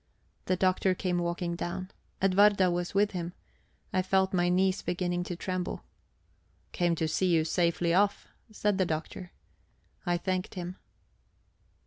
The Doctor came walking down. Edwarda was with him; I felt my knees beginning to tremble. "Came to see you safely off," said the Doctor. I thanked him.